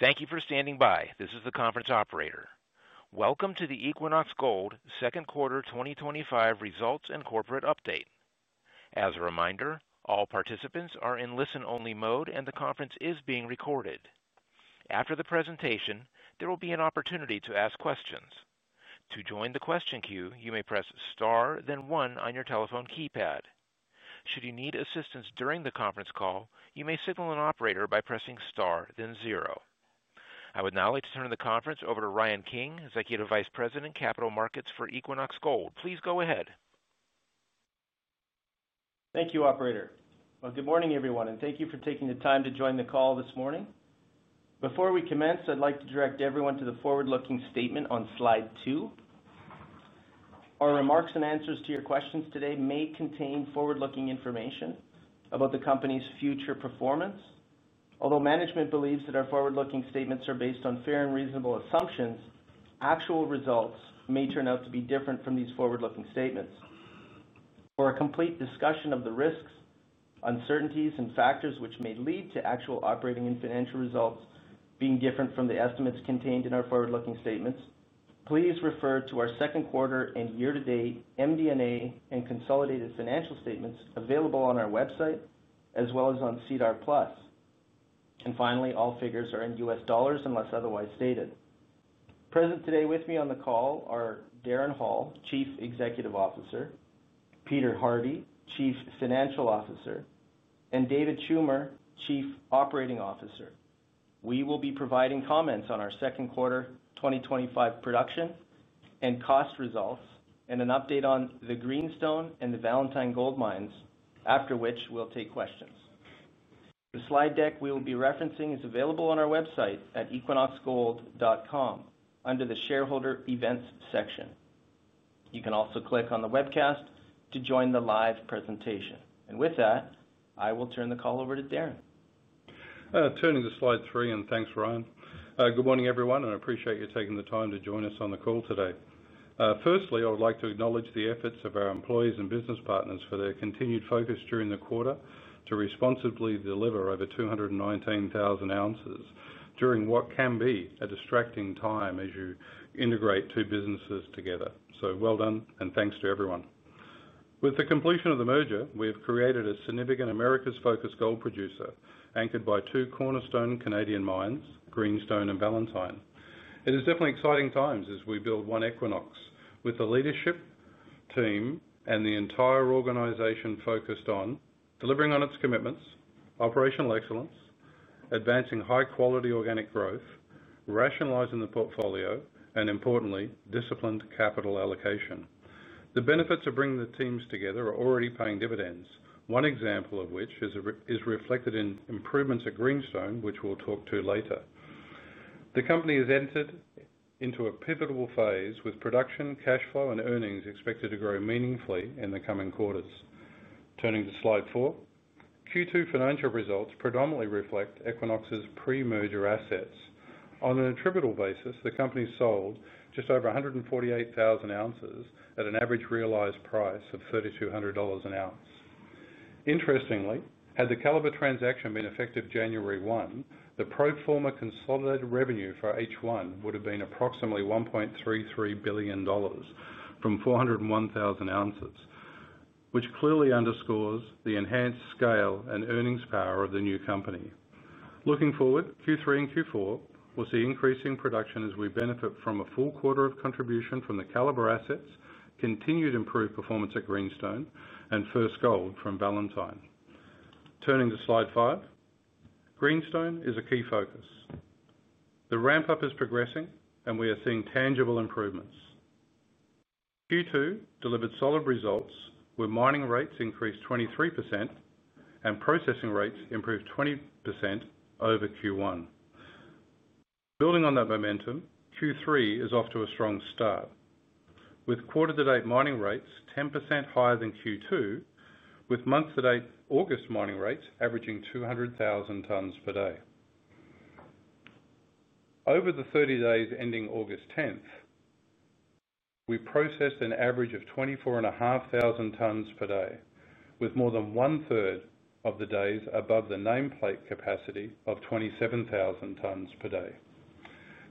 Thank you for standing by. This is the conference operator. Welcome to the Equinox Gold second quarter 2025 results and corporate update. As a reminder, all participants are in listen-only mode, and the conference is being recorded. After the presentation, there will be an opportunity to ask questions. To join the question queue, you may press star, then one on your telephone keypad. Should you need assistance during the conference call, you may signal an operator by pressing star, then zero. I would now like to turn the conference over to Ryan King, Executive Vice President, Capital Markets for Equinox Gold. Please go ahead. Thank you, Operator. Good morning, everyone, and thank you for taking the time to join the call this morning. Before we commence, I'd like to direct everyone to the forward-looking statement on slide two. Our remarks and answers to your questions today may contain forward-looking information about the company's future performance. Although management believes that our forward-looking statements are based on fair and reasonable assumptions, actual results may turn out to be different from these forward-looking statements. For a complete discussion of the risks, uncertainties, and factors which may lead to actual operating and financial results being different from the estimates contained in our forward-looking statements, please refer to our second quarter and year-to-date MD&A and Consolidated Financial Statements available on our website, as well as on SEDAR+. Finally, all figures are in US dollars unless otherwise stated. Present today with me on the call are Darren Hall, Chief Executive Officer; Peter Hardie, Chief Financial Officer; and David Schummer, Chief Operating Officer. We will be providing comments on our second quarter 2025 production and cost results and an update on the Greenstone and the Valentine Gold mines, after which we'll take questions. The slide deck we will be referencing is available on our website at equinoxgold.com under the Shareholder Events section. You can also click on the webcast to join the live presentation. With that, I will turn the call over to Darren. Turning to slide three, and thanks, Ryan. Good morning, everyone, and I appreciate you taking the time to join us on the call today. Firstly, I would like to acknowledge the efforts of our employees and business partners for their continued focus during the quarter to responsibly deliver over 219,000 oz during what can be a distracting time as you integrate two businesses together. Well done, and thanks to everyone. With the completion of the merger, we have created a significant Americas-focused gold producer anchored by two cornerstone Canadian mines, Greenstone and Valentine. It is definitely exciting times as we build one Equinox with the leadership team and the entire organization focused on delivering on its commitments, operational excellence, advancing high-quality organic growth, rationalizing the portfolio, and importantly, disciplined capital allocation. The benefits of bringing the teams together are already paying dividends, one example of which is reflected in improvements at Greenstone, which we'll talk to later. The company has entered into a pivotal phase with production, cash flow, and earnings expected to grow meaningfully in the coming quarters. Turning to slide four, Q2 financial results predominantly reflect Equinox's pre-merger assets. On an attributable basis, the company sold just over 148,000 oz at an average realized price of $3,200 an ounce. Interestingly, had the Calibre transaction been effective January 1, the pro forma consolidated revenue for H1 would have been approximately $1.33 billion from 401,000 oz, which clearly underscores the enhanced scale and earnings power of the new company. Looking forward, Q3 and Q4 will see increasing production as we benefit from a full quarter of contribution from the Calibre assets, continued improved performance at Greenstone, and first gold from Valentine. Turning to slide five, Greenstone is a key focus. The ramp-up is progressing, and we are seeing tangible improvements. Q2 delivered solid results where mining rates increased 23% and processing rates improved 20% over Q1. Building on that momentum, Q3 is off to a strong start, with quarter-to-date mining rates 10% higher than Q2, with months-to-date August mining rates averaging 200,000 tons per day. Over the 30 days ending August 10th, we processed an average of 24,500 tons per day, with more than one-third of the days above the nameplate capacity of 27,000 tons per day.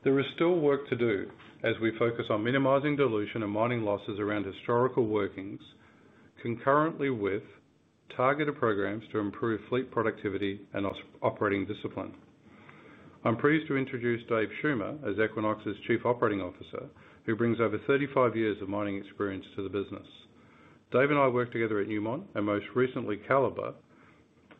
There is still work to do as we focus on minimizing dilution and mining losses around historical workings, concurrently with targeted programs to improve fleet productivity and operating discipline. I'm pleased to introduce David Schummer as Equinox's Chief Operating Officer, who brings over 35 years of mining experience to the business. David and I worked together at Newmont and most recently Calibre,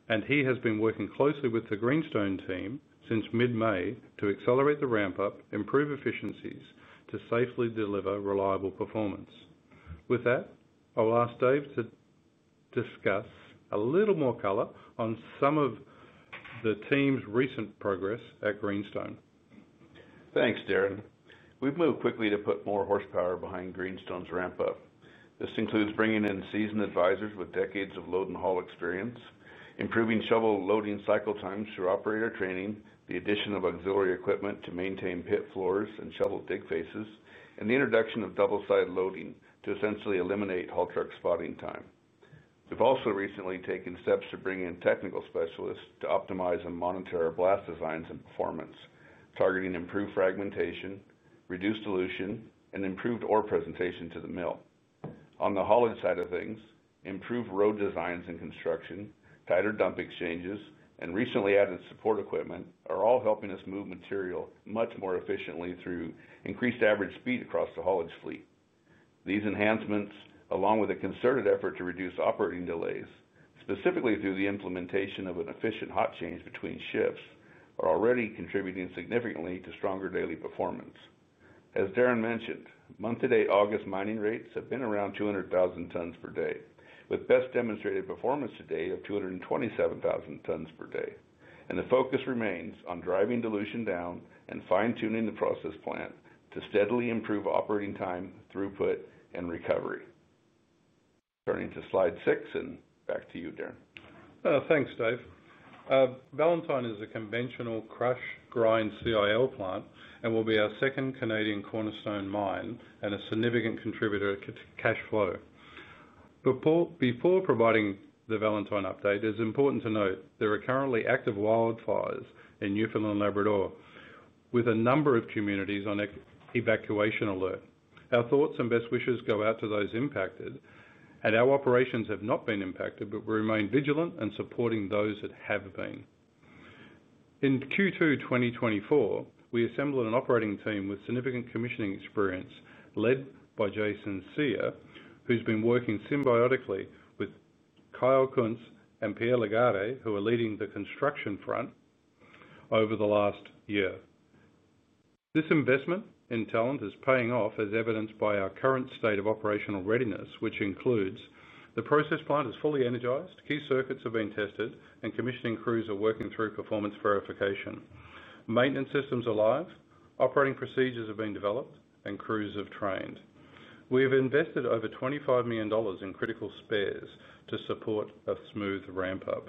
and he has been working closely with the Greenstone team since mid-May to accelerate the ramp-up, improve efficiencies to safely deliver reliable performance. With that, I will ask David to discuss a little more color on some of the team's recent progress at Greenstone. Thanks, Darren. We've moved quickly to put more horsepower behind Greenstone's ramp-up. This includes bringing in seasoned advisors with decades of load and haul experience, improving shovel loading cycle times through operator training, the addition of auxiliary equipment to maintain pit floors and shovel dig faces, and the introduction of double-side loading to essentially eliminate haul truck spotting time. We've also recently taken steps to bring in technical specialists to optimize and monitor our blast designs and performance, targeting improved fragmentation, reduced dilution, and improved ore presentation to the mill. On the haulage side of things, improved road designs and construction, tighter dump exchanges, and recently added support equipment are all helping us move material much more efficiently through increased average speed across the haulage fleet. These enhancements, along with a concerted effort to reduce operating delays, specifically through the implementation of an efficient hot change between shifts, are already contributing significantly to stronger daily performance. As Darren mentioned, month-to-date August mining rates have been around 200,000 tons per day, with best-demonstrated performance to date of 227,000 tons per day, and the focus remains on driving dilution down and fine-tuning the process plan to steadily improve operating time, throughput, and recovery. Turning to slide six and back to you, Darren. Thanks, Dave. Valentine is a conventional crush grind CIL plant and will be our second Canadian cornerstone mine and a significant contributor to cash flow. Before providing the Valentine update, it is important to note there are currently active wildfires in Newfoundland and Labrador, with a number of communities on evacuation alert. Our thoughts and best wishes go out to those impacted, and our operations have not been impacted, but we remain vigilant and supporting those that have been. In Q2 2024, we assembled an operating team with significant commissioning experience, led by [Jason Cyr], who's been working symbiotically with Kyle Kuntz and [Pierre Lagarde], who are leading the construction front over the last year. This investment in talent is paying off, as evidenced by our current state of operational readiness, which includes the process plant is fully energized, key circuits have been tested, and commissioning crews are working through performance verification. Maintenance systems are live, operating procedures have been developed, and crews have trained. We have invested over $25 million in critical spares to support a smooth ramp-up.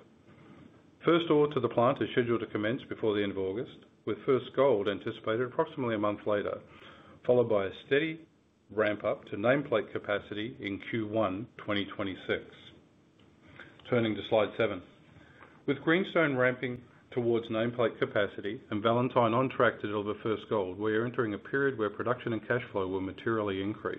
First ore to the plant is scheduled to commence before the end of August, with first gold anticipated approximately a month later, followed by a steady ramp-up to nameplate capacity in Q1 2026. Turning to slide seven. With Greenstone ramping towards nameplate capacity and Valentine on track to deliver first gold, we are entering a period where production and cash flow will materially increase.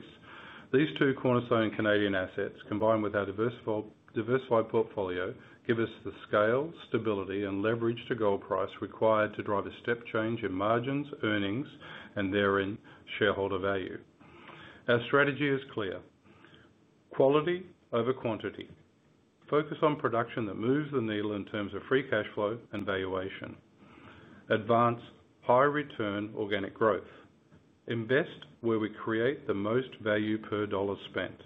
These two cornerstone Canadian assets, combined with our diversified portfolio, give us the scale, stability, and leverage to gold price required to drive a step change in margins, earnings, and therein shareholder value. Our strategy is clear: quality over quantity. Focus on production that moves the needle in terms of free cash flow and valuation. Advance high-return organic growth. Invest where we create the most value per dollar spent.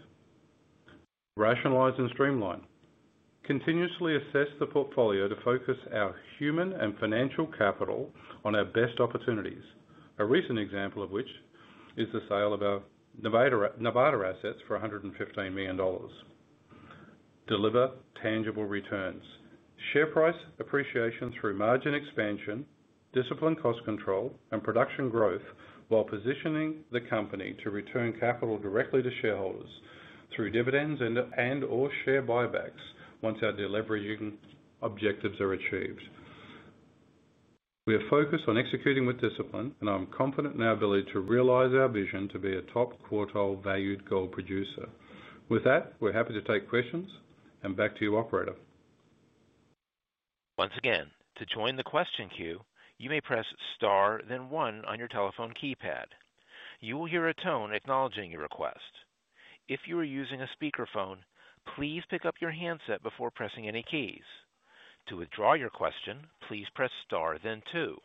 Rationalize and streamline. Continuously assess the portfolio to focus our human and financial capital on our best opportunities, a recent example of which is the sale of our Nevada assets for $115 million. Deliver tangible returns. Share price appreciation through margin expansion, disciplined cost control, and production growth, while positioning the company to return capital directly to shareholders through dividends and/or share buybacks once our delivery objectives are achieved. We are focused on executing with discipline, and I'm confident in our ability to realize our vision to be a top quartile valued gold producer. With that, we're happy to take questions, and back to you, Operator. Once again, to join the question queue, you may press star, then one on your telephone keypad. You will hear a tone acknowledging your request. If you are using a speakerphone, please pick up your handset before pressing any keys. To withdraw your question, please press star, then two.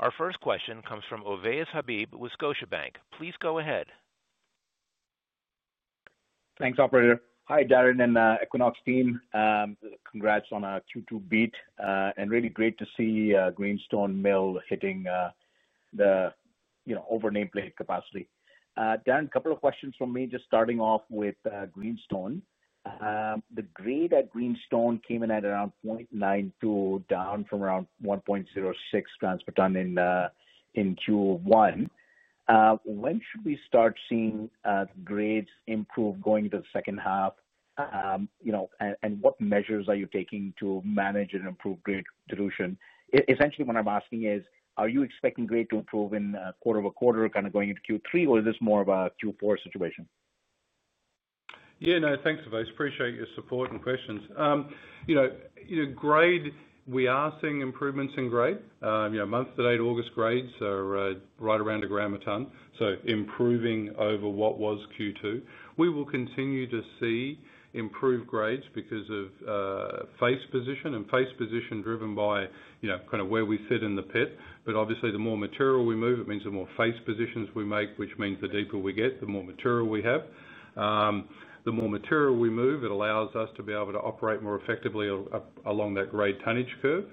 Our first question comes from Ovais Habib with Scotiabank. Please go ahead. Thanks, Operator. Hi, Darren and Equinox team. Congrats on our Q2 beat and really great to see Greenstone Mill hitting the over nameplate capacity. Darren, a couple of questions from me, just starting off with Greenstone. The grade at Greenstone came in at around 0.92, down from around 1.06 in Q1. When should we start seeing grades improve going into the second half? What measures are you taking to manage and improve grade dilution? Essentially, what I'm asking is, are you expecting grade to improve quarter-over-quarter, kind of going into Q3, or is this more of a Q4 situation? Yeah, no, thanks, Ovais. Appreciate your support and questions. Grade, we are seeing improvements in grade. Month-to-date August grades are right around a gram a ton, so improving over what was Q2. We will continue to see improved grades because of face position and face position driven by kind of where we sit in the pit. Obviously, the more material we move, it means the more face positions we make, which means the deeper we get, the more material we have. The more material we move, it allows us to be able to operate more effectively along that grade tonnage curve.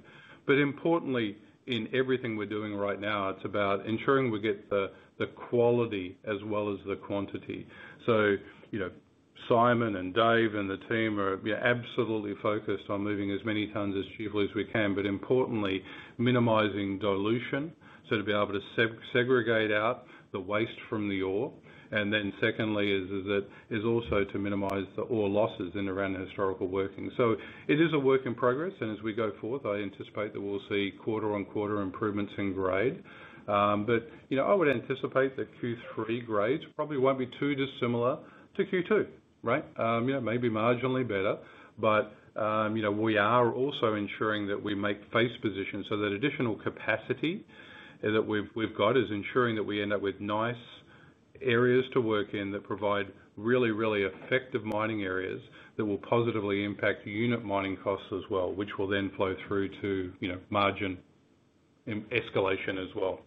Importantly, in everything we're doing right now, it's about ensuring we get the quality as well as the quantity. Simon and Dave and the team are absolutely focused on moving as many tons as cheaply as we can, but importantly, minimizing dilution to be able to segregate out the waste from the ore. Secondly, that is also to minimize the ore losses in and around historical workings. It is a work in progress, and as we go forth, I anticipate that we'll see quarter-on-quarter improvements in grade. I would anticipate that Q3 grades probably won't be too dissimilar to Q2, right? Maybe marginally better, but we are also ensuring that we make face positions so that additional capacity that we've got is ensuring that we end up with nice areas to work in that provide really, really effective mining areas that will positively impact unit mining costs as well, which will then flow through to margin in escalation as well.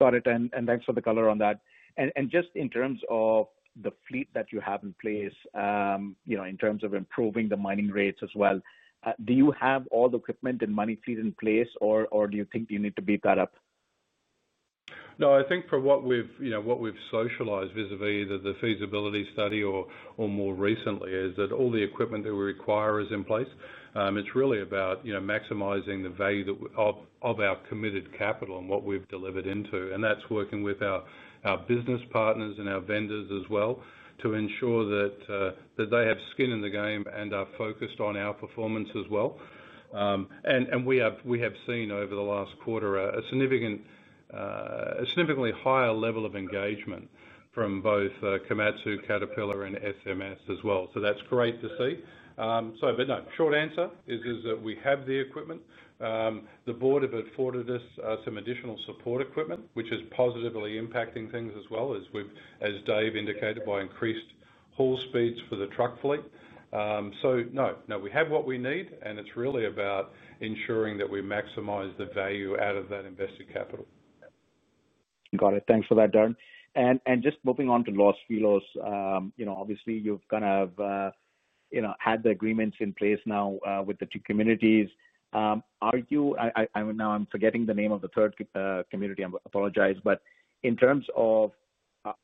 Got it, thanks for the color on that. In terms of the fleet that you have in place, in terms of improving the mining rates as well, do you have all the equipment and mining fleet in place, or do you think you need to beef that up? No, I think for what we've, you know, what we've socialized vis-à-vis either the feasibility study or more recently is that all the equipment that we require is in place. It's really about maximizing the value of our committed capital and what we've delivered into. That's working with our business partners and our vendors as well to ensure that they have skin in the game and are focused on our performance as well. We have seen over the last quarter a significantly higher level of engagement from both Komatsu, Caterpillar, and SMS as well, which is great to see. No, short answer is that we have the equipment. The board afforded us some additional support equipment, which is positively impacting things as Dave indicated, by increased haul speeds for the truck fleet. No, we have what we need, and it's really about ensuring that we maximize the value out of that invested capital. Got it. Thanks for that, Darren. Just moving on to Los Filos, obviously you've had the agreements in place now with the two communities. Are you, I mean, now I'm forgetting the name of the third community. I apologize, but in terms of,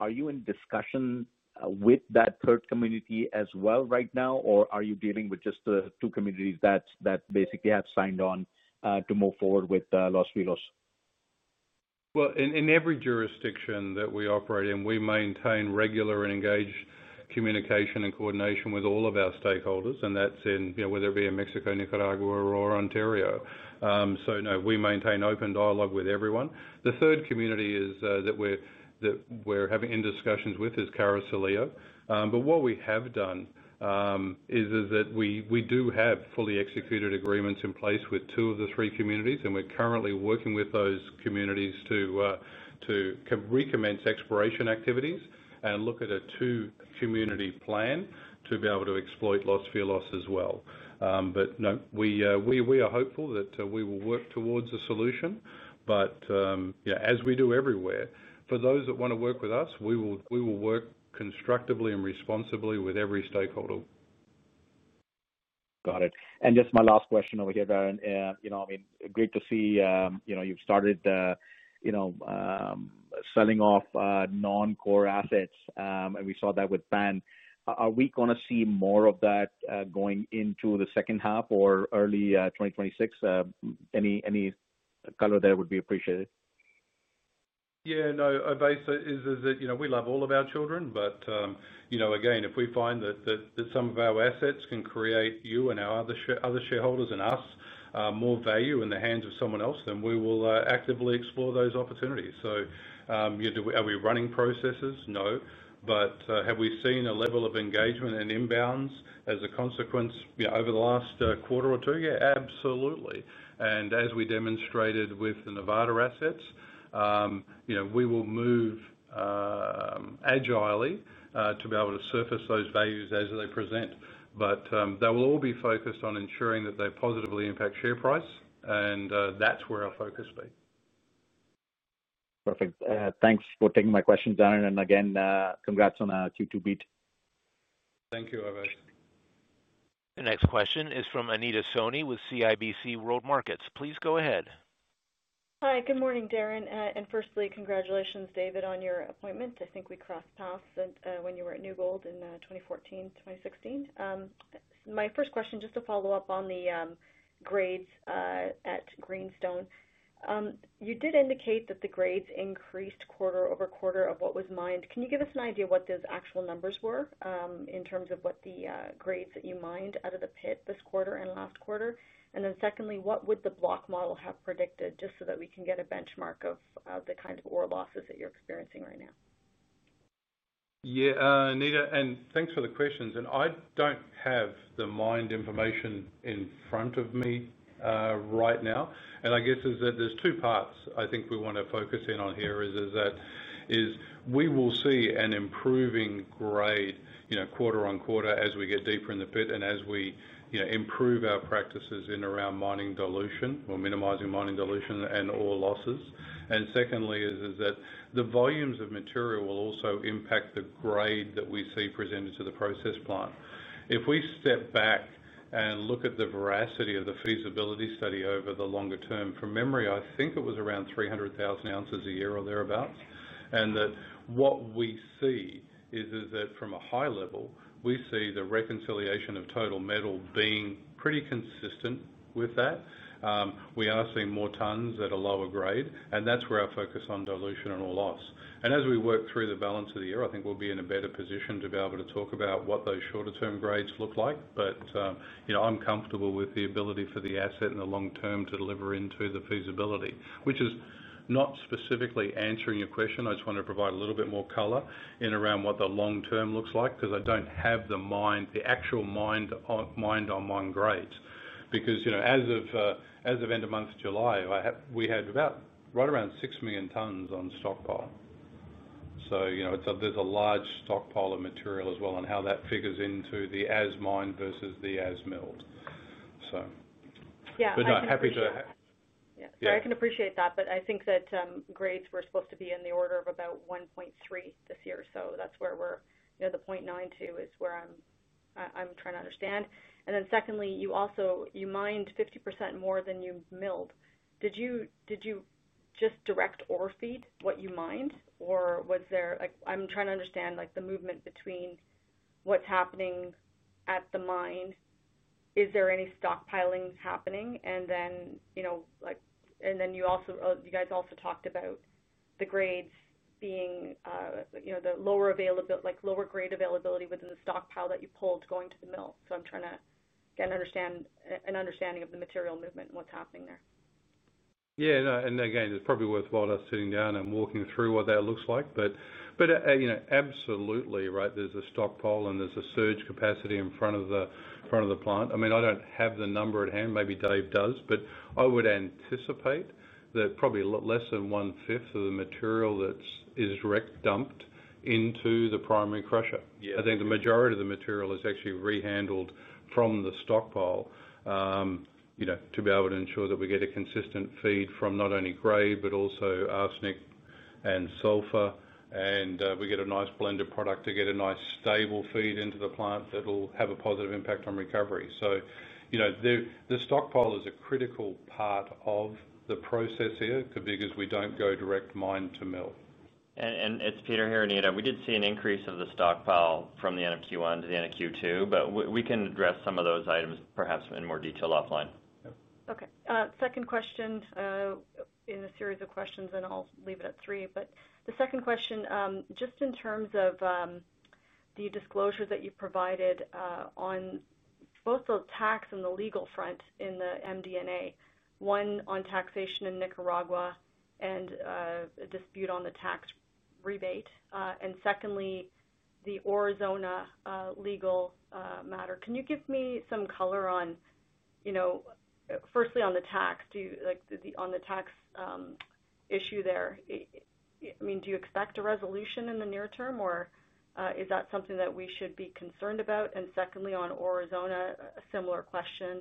are you in discussion with that third community as well right now, or are you dealing with just the two communities that basically have signed on to move forward with Los Filos? In every jurisdiction that we operate in, we maintain regular and engaged communication and coordination with all of our stakeholders, and that's in, you know, whether it be in Mexico, Nicaragua, or Ontario. We maintain open dialogue with everyone. The third community that we're having discussions with is Carrizalillo. What we have done is that we do have fully executed agreements in place with two of the three communities, and we're currently working with those communities to recommence exploration activities and look at a two-community plan to be able to exploit Los Filos as well. We are hopeful that we will work towards a solution, but you know, as we do everywhere, for those that want to work with us, we will work constructively and responsibly with every stakeholder. Got it. Just my last question over here, Darren. Great to see you've started selling off non-core assets, and we saw that with Pan. Are we going to see more of that going into the second half or early 2026? Any color there would be appreciated? Yeah, no, Ovais, you know, we love all of our children, but if we find that some of our assets can create you and our other shareholders and us more value in the hands of someone else, we will actively explore those opportunities. Are we running processes? No, but have we seen a level of engagement and inbounds as a consequence over the last quarter or two? Yeah, absolutely. As we demonstrated with the Nevada assets, we will move agilely to be able to surface those values as they present. That will all be focused on ensuring that they positively impact share price, and that's where our focus will be. Perfect. Thanks for taking my question, Darren, and again, congrats on our Q2 beat. Thank you, Ovais. The next question is from Anita Soni with CIBC World Markets. Please go ahead. Hi, good morning, Darren, and firstly, congratulations, David, on your appointment. I think we crossed paths when you were at New Gold in 2014-2016. My first question, just to follow up on the grades at Greenstone, you did indicate that the grades increased quarter-over-quarter of what was mined. Can you give us an idea of what those actual numbers were in terms of what the grades that you mined out of the pit this quarter and last quarter? Secondly, what would the block model have predicted just so that we can get a benchmark of the kinds of ore losses that you're experiencing right now? Yeah, Anita, thanks for the questions. I don't have the mined information in front of me right now. I guess there are two parts I think we want to focus in on here. We will see an improving grade, quarter-on-quarter, as we get deeper in the pit and as we improve our practices in and around mining dilution or minimizing mining dilution and ore losses. Secondly, the volumes of material will also impact the grade that we see presented to the process plant. If we step back and look at the veracity of the feasibility study over the longer term, from memory, I think it was around 300,000 oz a year or thereabouts. What we see is that from a high level, we see the reconciliation of total metal being pretty consistent with that. We are seeing more tons at a lower grade, and that's where our focus is on dilution and ore loss. As we work through the balance of the year, I think we'll be in a better position to be able to talk about what those shorter-term grades look like. I'm comfortable with the ability for the asset in the long term to deliver into the feasibility, which is not specifically answering your question. I just wanted to provide a little bit more color around what the long term looks like because I don't have the actual mined or mine grades. As of end of month July, we had about right around 6 million tons on stockpile. There's a large stockpile of material as well and how that figures into the as mined versus the as milled. I'm happy to. Yeah, I can appreciate that, but I think that grades were supposed to be in the order of about 1.3 this year. That's where we're, you know, the 0.92 is where I'm trying to understand. Secondly, you mined 50% more than you milled. Did you just direct ore feed what you mined or was there, like, I'm trying to understand, like, the movement between what's happening at the mine, is there any stockpiling happening? You guys also talked about the grades being, you know, the lower availability, like lower grade availability within the stockpile that you pulled going to the mill. I'm trying to get an understanding of the material movement and what's happening there. Yeah, it's probably worthwhile us sitting down and walking through what that looks like. Absolutely, right, there's a stockpile and there's a surge capacity in front of the plant. I don't have the number at hand, maybe Dave does, but I would anticipate that probably less than 1/5 of the material is direct dumped into the primary crusher. I think the majority of the material is actually re-handled from the stockpile to be able to ensure that we get a consistent feed from not only grade, but also arsenic and sulfur. We get a nice blended product to get a nice stable feed into the plant that will have a positive impact on recovery. The stockpile is a critical part of the process here, because we don't go direct mine to mill. It is Peter here, Anita. We did see an increase of the stockpile from the end of Q1 to the end of Q2, but we can address some of those items perhaps in more detail offline. Okay, second question in the series of questions, and I'll leave it at three. The second question, just in terms of the disclosure that you've provided on both the tax and the legal front in the MD&A, one on taxation in Nicaragua and a dispute on the tax rebate, and secondly, the Aurizona legal matter. Can you give me some color on, you know, firstly on the tax, do you like the on the tax issue there? I mean, do you expect a resolution in the near term, or is that something that we should be concerned about? Secondly, on Aurizona, a similar question.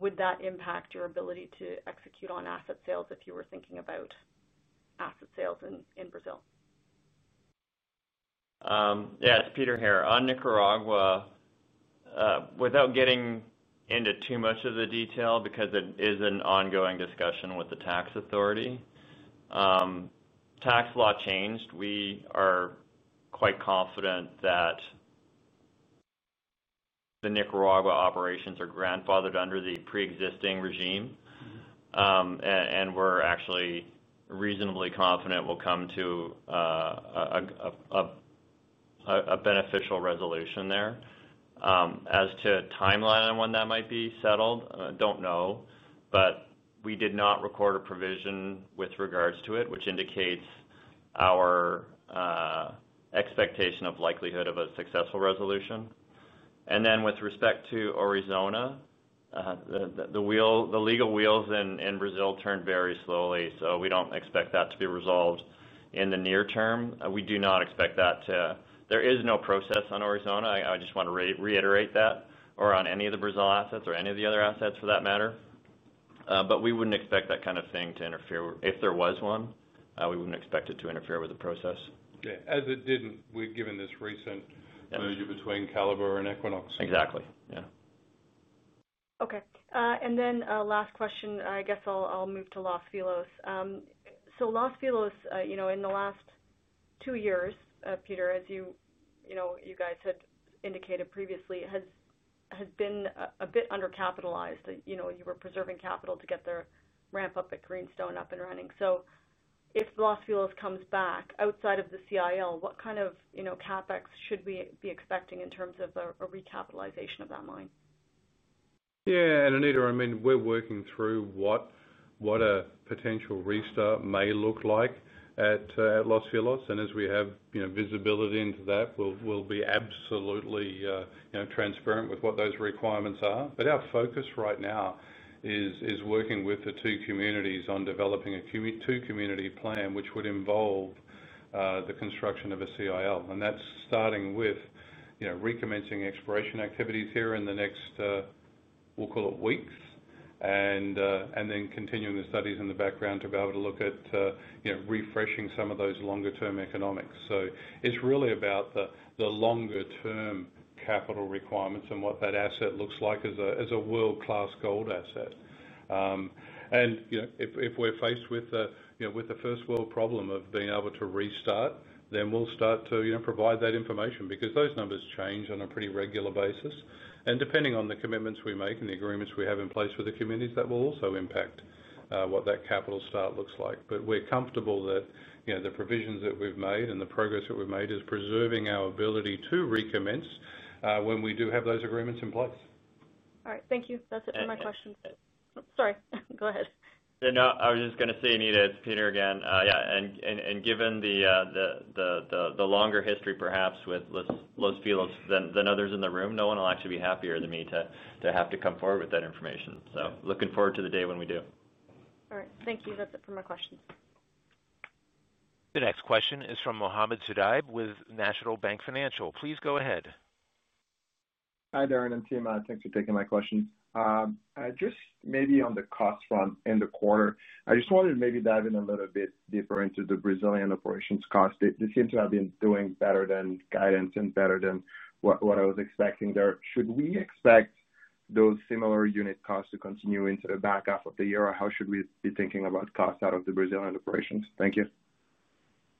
Would that impact your ability to execute on asset sales if you were thinking about asset sales in Brazil? Yeah, it's Peter here. On Nicaragua, without getting into too much of the detail, because it is an ongoing discussion with the tax authority, tax law changed. We are quite confident that the Nicaragua operations are grandfathered under the pre-existing regime, and we're actually reasonably confident we'll come to a beneficial resolution there. As to a timeline on when that might be settled, I don't know, but we did not record a provision with regards to it, which indicates our expectation of likelihood of a successful resolution. With respect to Aurizona, the legal wheels in Brazil turn very slowly, so we don't expect that to be resolved in the near term. We do not expect that to, there is no process on Aurizona. I just want to reiterate that, or on any of the Brazil assets or any of the other assets for that matter. We wouldn't expect that kind of thing to interfere. If there was one, we wouldn't expect it to interfere with the process. Yeah, as it didn't, given this recent merger between Calibre and Equinox. Exactly. Yeah. Okay. Last question, I guess I'll move to Los Filos. Los Filos, you know, in the last two years, Peter, as you guys had indicated previously, has been a bit undercapitalized. You were preserving capital to get the ramp-up at Greenstone up and running. If Los Filos comes back outside of the CIL, what kind of CapEx should we be expecting in terms of a recapitalization of that mine? Yeah, Anita, we're working through what a potential restart may look like at Los Filos. As we have visibility into that, we'll be absolutely transparent with what those requirements are. Our focus right now is working with the two communities on developing a two-community plan, which would involve the construction of a CIL. That's starting with recommencing exploration activities here in the next, we'll call it weeks, and then continuing the studies in the background to be able to look at refreshing some of those longer-term economics. It's really about the longer-term capital requirements and what that asset looks like as a world-class gold asset. If we're faced with a first-world problem of being able to restart, we'll start to provide that information because those numbers change on a pretty regular basis. Depending on the commitments we make and the agreements we have in place with the communities, that will also impact what that capital start looks like. We're comfortable that the provisions that we've made and the progress that we've made is preserving our ability to recommence when we do have those agreements in place. All right, thank you. That's it for my questions. Sorry, go ahead. No, I was just going to say, Anita, it's Peter again. Given the longer history perhaps with Los Filos than others in the room, no one will actually be happier than me to have to come forward with that information. Looking forward to the day when we do. All right, thank you. That's it for my questions. The next question is from Mohamed Sidibé with National Bank Financial. Please go ahead. Hi, Darren and team. Thanks for taking my questions. Maybe on the cost front in the quarter, I just wanted to dive in a little bit deeper into the Brazilian operations cost. They seem to have been doing better than guidance and better than what I was expecting there. Should we expect those similar unit costs to continue into the back half of the year, or how should we be thinking about cost out of the Brazilian operations? Thank you.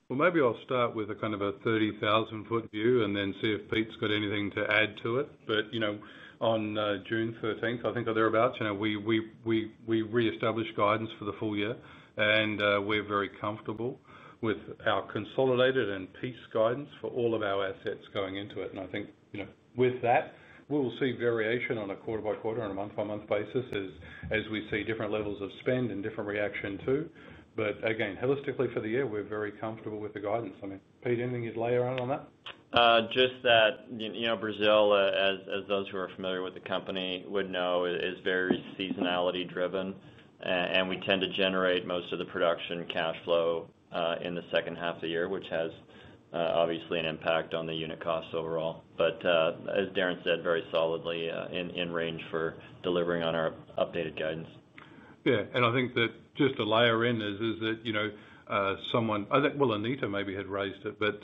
I’ll start with a kind of a 30,000 ft view and then see if Peter’s got anything to add to it. On June 13, I think, or thereabouts, we reestablished guidance for the full year, and we're very comfortable with our consolidated and piece guidance for all of our assets going into it. I think with that, we'll see variation on a quarter-by-quarter and a month-by-month basis as we see different levels of spend and different reaction too. Again, holistically for the year, we're very comfortable with the guidance. Peter, anything you'd layer on on that? Just that, you know, Brazil, as those who are familiar with the company would know, is very seasonality-driven, and we tend to generate most of the production cash flow in the second half of the year, which has obviously an impact on the unit costs overall. As Darren said, very solidly in range for delivering on our updated guidance. Yeah, I think that just to layer in is that, you know, someone, I think, well, Anita maybe had raised it, but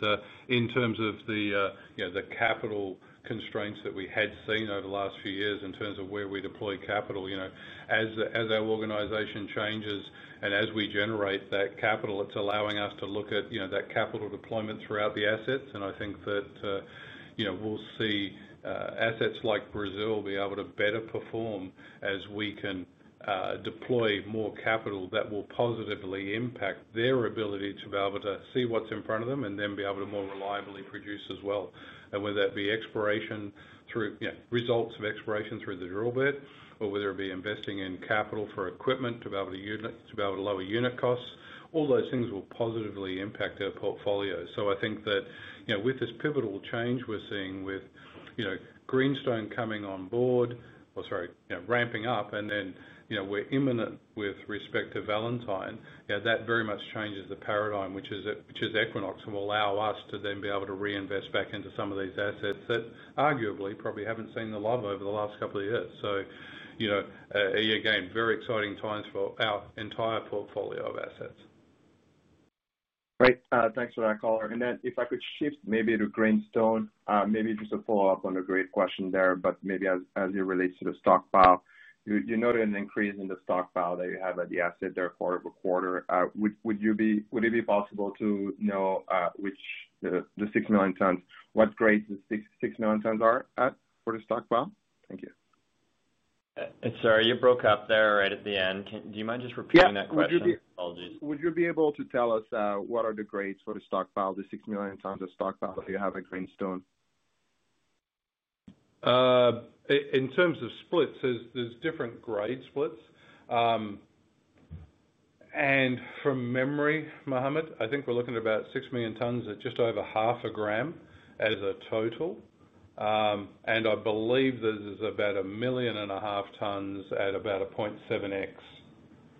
in terms of the, you know, the capital constraints that we had seen over the last few years in terms of where we deploy capital, you know, as our organization changes and as we generate that capital, it's allowing us to look at, you know, that capital deployment throughout the assets. I think that, you know, we'll see assets like Brazil be able to better perform as we can deploy more capital that will positively impact their ability to be able to see what's in front of them and then be able to more reliably produce as well. Whether that be exploration through, you know, results of exploration through the drill bit, or whether it be investing in capital for equipment to be able to lower unit costs, all those things will positively impact our portfolio. I think that, you know, with this pivotal change we're seeing with, you know, Greenstone coming on board, or sorry, you know, ramping up, and then, you know, we're imminent with respect to Valentine, you know, that very much changes the paradigm, which is Equinox, and will allow us to then be able to reinvest back into some of these assets that arguably probably haven't seen the light over the last couple of years. You know, again, very exciting times for our entire portfolio of assets. Great, thanks for that caller. If I could shift maybe to Greenstone, maybe just a follow-up on a great question there, as you relate to the stockpile. You noted an increase in the stockpile that you have at the asset there for a quarter. Would it be possible to know with the 6 million tons, what grade the 6 million tons are at for the stockpile? Thank you. Sorry, you broke up there right at the end. Do you mind just repeating that question? Apologies. Would you be able to tell us what are the grades for the stockpile, the 6 million tons of stockpile that you have at Greenstone? In terms of splits, there's different grade splits. From memory, Mohamed, I think we're looking at about 6 million tons at just over 0.5 g as a total. I believe there's about 1.5 million tons at about 0.7x,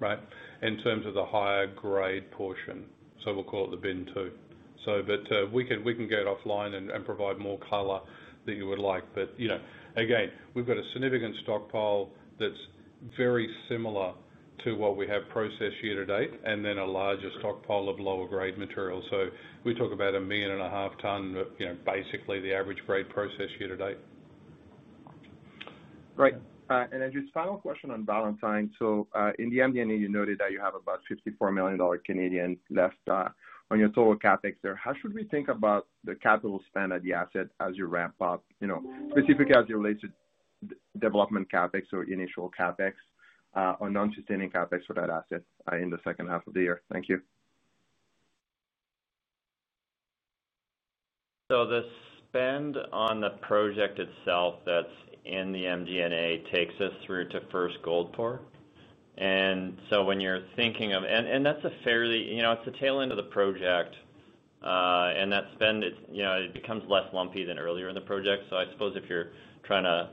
right, in terms of the higher grade portion. We'll call it the bin two. We can get it offline and provide more color that you would like. You know, we've got a significant stockpile that's very similar to what we have processed year-to-date, and then a larger stockpile of lower grade material. We talk about 1.5 million ton, basically the average grade processed year-to-date. Great. Just final question on Valentine. In the MD&A, you noted that you have about $54 million Canadian left on your total CapEx there. How should we think about the capital spend at the asset as you ramp up, specifically as it relates to development CapEx or initial CapEx or non-sustaining CapEx for that asset in the second half of the year? Thank you. The spend on the project itself that's in the MD&A takes us through to first gold pour. When you're thinking of, and that's a fairly, you know, it's a tail end of the project. That spend becomes less lumpy than earlier in the project. I suppose if you're trying to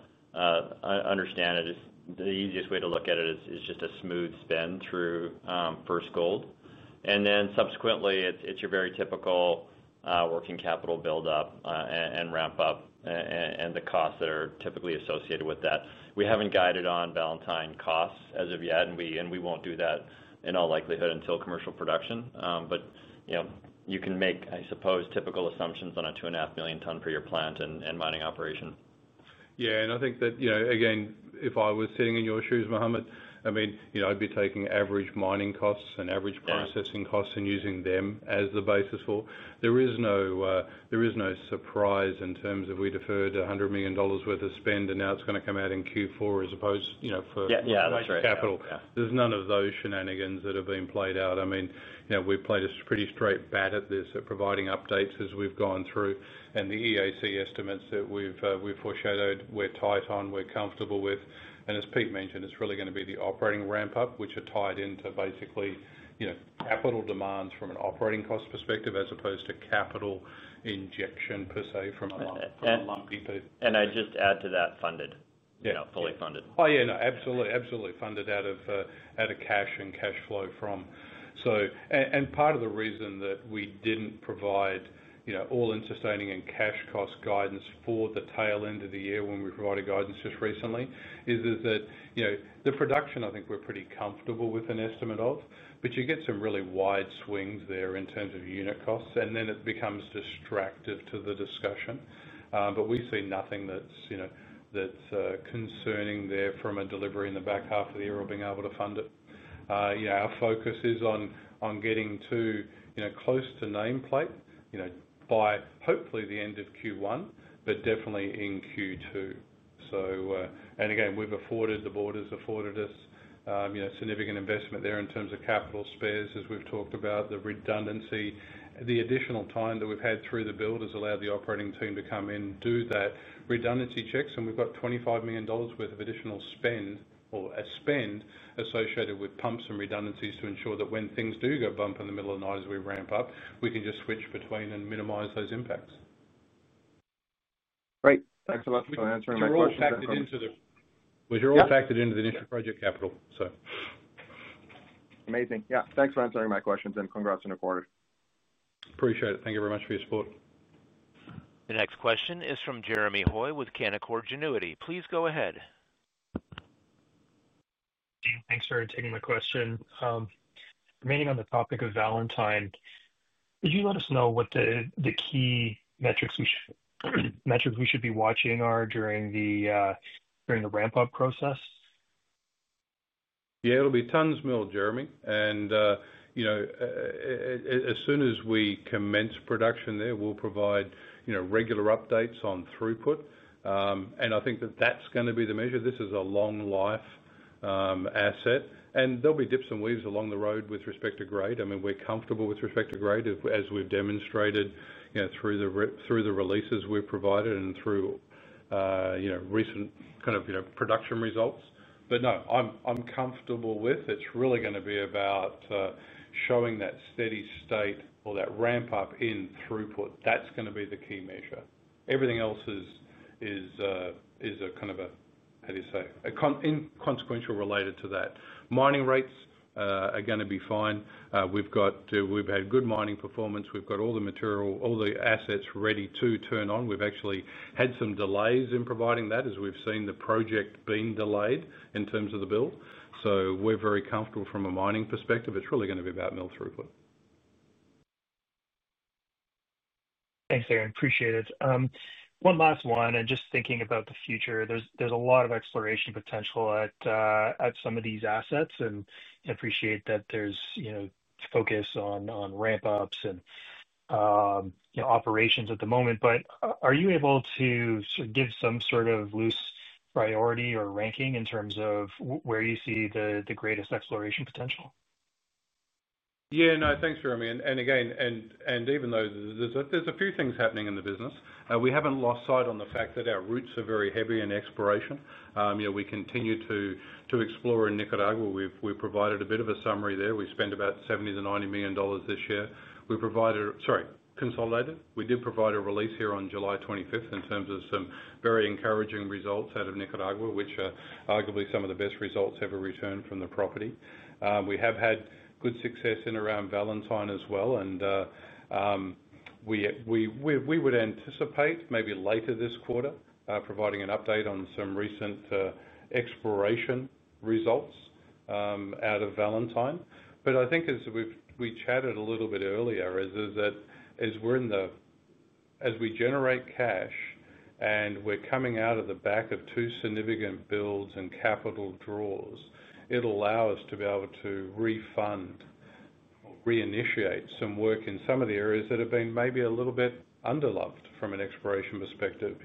understand it, the easiest way to look at it is just a smooth spend through first gold. Subsequently, it's your very typical working capital buildup and ramp-up and the costs that are typically associated with that. We haven't guided on Valentine costs as of yet, and we won't do that in all likelihood until commercial production. You know, you can make, I suppose, typical assumptions on a 2.5 million ton per year plant and mining operation. Yeah, I think that, you know, again, if I was sitting in your shoes, Mohamed, I mean, you know, I'd be taking average mining costs and average processing costs and using them as the basis for. There is no surprise in terms of we deferred $100 million worth of spend, and now it's going to come out in Q4 as opposed, you know, for extra capital. There's none of those shenanigans that have been played out. I mean, you know, we've played a pretty straight bat at this at providing updates as we've gone through. The EAC estimates that we've foreshadowed, we're tight on, we're comfortable with. As Pete mentioned, it's really going to be the operating ramp-up, which are tied into basically, you know, capital demands from an operating cost perspective as opposed to capital injection per se from a lumpy piece. I'd just add to that, fully funded. Oh yeah, no, absolutely, absolutely funded out of cash and cash flow from. Part of the reason that we didn't provide, you know, all-in sustaining and cash cost guidance for the tail end of the year when we provided guidance just recently is that, you know, the production I think we're pretty comfortable with an estimate of, but you get some really wide swings there in terms of unit costs, and then it becomes distractive to the discussion. We see nothing that's, you know, that's concerning there from a delivery in the back half of the year or being able to fund it. Our focus is on getting to, you know, close to nameplate, you know, by hopefully the end of Q1, but definitely in Q2. We've afforded, the Board has afforded us, you know, significant investment there in terms of capital spares, as we've talked about, the redundancy, the additional time that we've had through the build has allowed the operating team to come in, do that redundancy checks, and we've got $25 million worth of additional spend or a spend associated with pumps and redundancies to ensure that when things do go bump in the middle of the night as we ramp up, we can just switch between and minimize those impacts. Great. Thanks so much for answering my questions. It was all factored into the initial project capital. Amazing. Yeah, thanks for answering my questions and congrats on the quarter. Appreciate it. Thank you very much for your support. The next question is from Jeremy Hoy with Canaccord Genuity. Please go ahead. Thanks for taking my question. Remaining on the topic of Valentine, could you let us know what the key metrics we should be watching are during the ramp-up process? Yeah, it'll be tons mill, Jeremy. As soon as we commence production there, we'll provide regular updates on throughput. I think that that's going to be the measure. This is a long-life asset. There'll be dips and weaves along the road with respect to grade. I mean, we're comfortable with respect to grade as we've demonstrated through the releases we've provided and through recent kind of production results. No, I'm comfortable with it's really going to be about showing that steady state or that ramp-up in throughput. That's going to be the key measure. Everything else is kind of a, how do you say, a consequential related to that. Mining rates are going to be fine. We've had good mining performance. We've got all the material, all the assets ready to turn on. We've actually had some delays in providing that as we've seen the project being delayed in terms of the build. We are very comfortable from a mining perspective. It's really going to be about mill throughput. Thanks, Darren. Appreciate it. One last one, just thinking about the future, there's a lot of exploration potential at some of these assets. I appreciate that there's focus on ramp-ups and operations at the moment. Are you able to sort of give some sort of loose priority or ranking in terms of where you see the greatest exploration potential? Yeah, no, thanks Jeremy. Even though there's a few things happening in the business, we haven't lost sight of the fact that our roots are very heavy in exploration. We continue to explore in Nicaragua. We've provided a bit of a summary there. We spent about $70 million-$90 million this year. We provided, sorry, consolidated. We did provide a release here on July 25th in terms of some very encouraging results out of Nicaragua, which are arguably some of the best results ever returned from the property. We have had good success in and around Valentine as well. We would anticipate maybe later this quarter providing an update on some recent exploration results out of Valentine. I think as we chatted a little bit earlier, as we generate cash and we're coming out of the back of two significant builds and capital draws, it'll allow us to be able to refund or reinitiate some work in some of the areas that have been maybe a little bit underloved from an exploration perspective.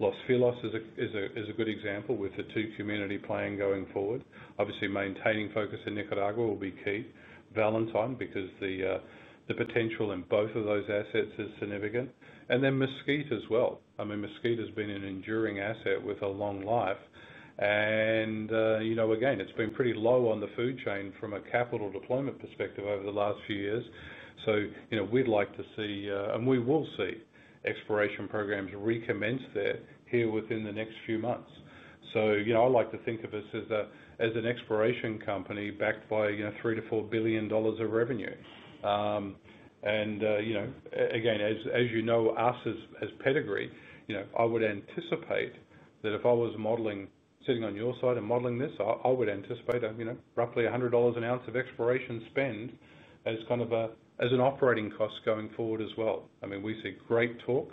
Los Filos is a good example with a two-community plan going forward. Obviously, maintaining focus in Nicaragua will be key. Valentine, because the potential in both of those assets is significant. Mesquite as well. Mesquite has been an enduring asset with a long life. It's been pretty low on the food chain from a capital deployment perspective over the last few years. We'd like to see, and we will see, exploration programs recommence there within the next few months. I like to think of us as an exploration company backed by $3 billion-$4 billion of revenue. As you know us as [Pedigree], I would anticipate that if I was modeling, sitting on your side and modeling this, I would anticipate roughly $100 an ounce of exploration spend as kind of an operating cost going forward as well. We see great talk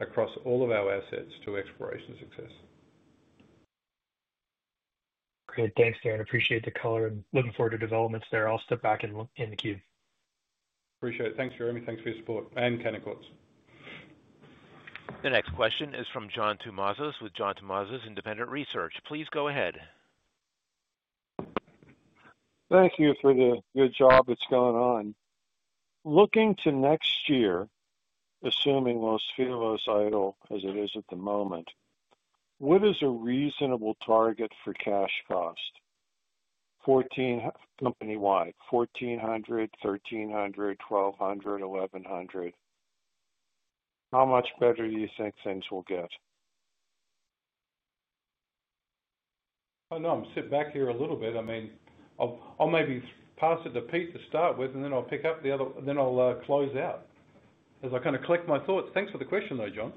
across all of our assets to exploration success. Great, thanks, Darren. Appreciate the color and looking forward to developments there. I'll step back in the queue. Appreciate it. Thanks, Jeremy. Thanks for your support and Canaccord's. The next question is from John Tumazos with John Tumazos Independent Research. Please go ahead. Thank you for the good job that's going on. Looking to next year, assuming Los Filos idle as it is at the moment, what is a reasonable target for cash cost? Company-wide, $1,400, $1,300, $1,200, $1,100. How much better do you think things will get? I know I'm sitting back here a little bit. I'll maybe pass it to Peter to start with, and then I'll pick up the other, then I'll close out as I kind of collect my thoughts. Thanks for the question though, John.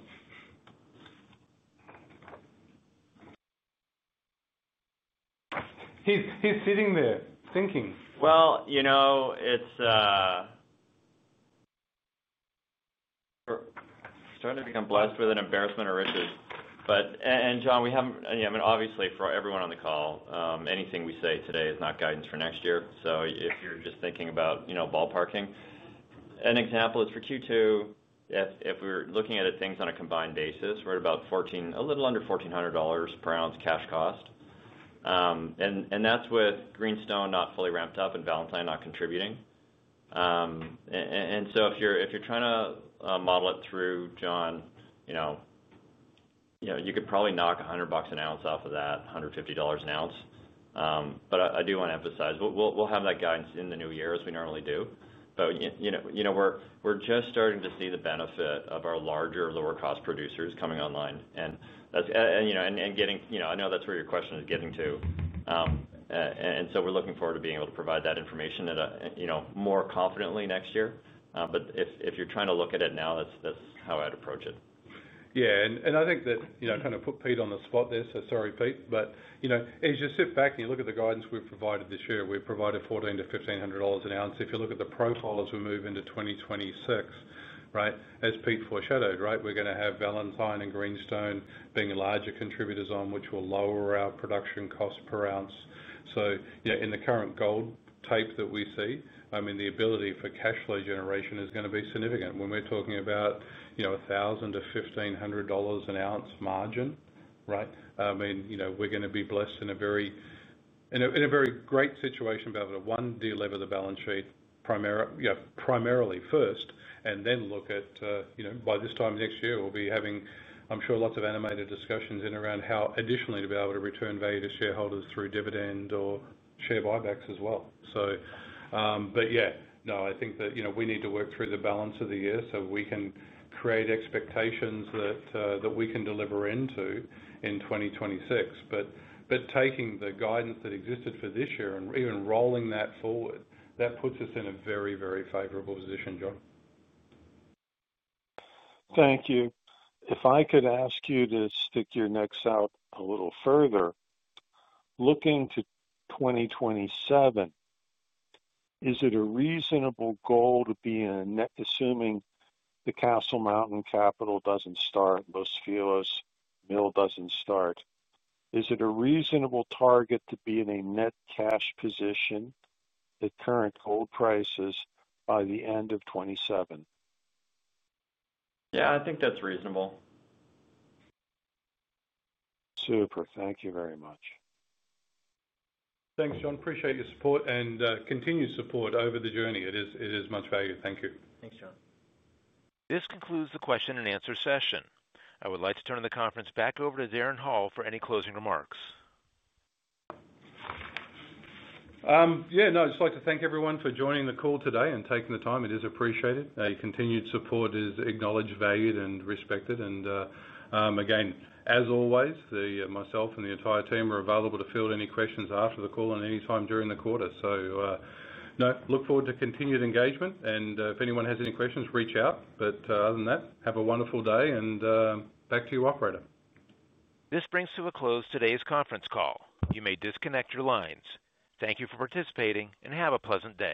He's sitting there thinking. It is starting to be unblessed with an embarrassment of riches. John, we haven't, I mean, obviously for everyone on the call, anything we say today is not guidance for next year. If you're just thinking about ballparking, an example is for Q2. If we're looking at things on a combined basis, we're at about $1,400, a little under $1,400 per ounce cash cost. That's with Greenstone not fully ramped up and Valentine not contributing. If you're trying to model it through, John, you could probably knock $100 an ounce off of that, $150 an ounce. I do want to emphasize, we'll have that guidance in the new year as we normally do. We're just starting to see the benefit of our larger lower cost producers coming online. I know that's where your question is getting to. We're looking forward to being able to provide that information more confidently next year. If you're trying to look at it now, that's how I'd approach it. Yeah, I think that, you know, I kind of put Pete on the spot there. Sorry, Pete. As you sit back and you look at the guidance we've provided this year, we've provided $1,400-$1,500 an ounce. If you look at the profile as we move into 2026, as Pete foreshadowed, we're going to have Valentine and Greenstone being larger contributors, which will lower our production cost per ounce. In the current gold tape that we see, the ability for cash flow generation is going to be significant. When we're talking about $1,000-$1,500 an ounce margin, we're going to be blessed in a very great situation to be able to, one, deliver the balance sheet primarily first, and then look at, by this time next year, we'll be having, I'm sure, lots of animated discussions in and around how additionally to be able to return value to shareholders through dividend or share buybacks as well. I think that we need to work through the balance of the year so we can create expectations that we can deliver into in 2026. Taking the guidance that existed for this year and even rolling that forward, that puts us in a very, very favorable position, John. Thank you. If I could ask you to stick your necks out a little further, looking to 2027, is it a reasonable goal to be in a net, assuming the Castle Mountain capital doesn't start, Los Filos mill doesn't start, is it a reasonable target to be in a net cash position at current gold prices by the end of 2027? Yeah, I think that's reasonable. Super. Thank you very much. Thanks, John. Appreciate your support and continued support over the journey. It is much valued. Thank you. Thanks, John. This concludes the question and answer session. I would like to turn the conference back over to Darren Hall for any closing remarks. Yeah, no, I'd just like to thank everyone for joining the call today and taking the time. It is appreciated. Continued support is acknowledged, valued, and respected. Again, as always, myself and the entire team are available to field any questions after the call and anytime during the quarter. I look forward to continued engagement. If anyone has any questions, reach out. Other than that, have a wonderful day and back to you, operator. This brings to a close today's conference call. You may disconnect your lines. Thank you for participating and have a pleasant day.